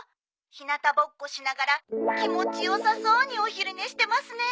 日なたぼっこしながら気持ちよさそうにお昼寝してますね。